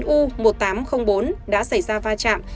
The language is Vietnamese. hai mươi chín u một nghìn tám trăm linh bốn đã xảy ra va chạm